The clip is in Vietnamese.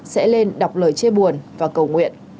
sẽ lên đọc lời chê buồn và cầu nguyện